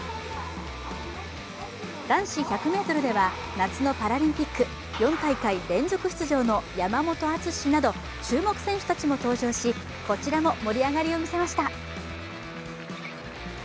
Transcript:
男子１００ｍでは夏のパラリンピック、４大会連続出場の山本篤など注目選手たちも登場しこちらも盛り上がりを見せました。